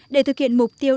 để thực hiện mục tiêu